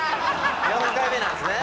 ４回目なんですね。